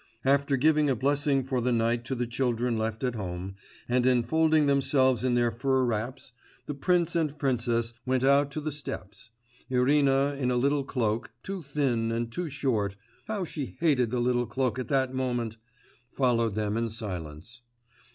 After giving a blessing for the night to the children left at home, and enfolding themselves in their fur wraps, the prince and princess went out to the steps; Irina in a little cloak, too thin and too short how she hated the little cloak at that moment! followed them in silence.